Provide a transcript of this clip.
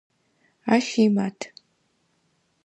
Ащ имат.